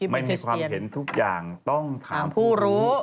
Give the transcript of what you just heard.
ไม่มีความเห็นทุกอย่างต้องถามผู้รู้